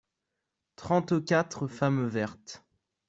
trente quatre femmes vertes.